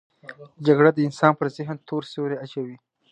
جګړه د انسان پر ذهن تور سیوری اچوي